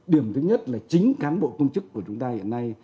điểm thứ nhất là chính cán bộ công chức của chúng ta hiện nay